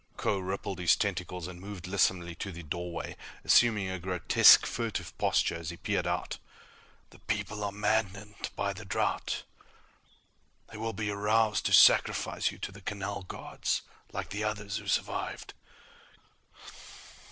Kho rippled his tentacles and moved lissomely to the doorway, assuming a grotesquely furtive posture as he peered out. "The people are maddened by the drought. The will be aroused to sacrifice you to the Canal Gods, like the others who survived."